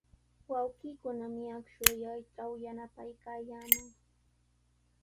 Wawqiikunami akshu allaytraw yanapaykaayaaman.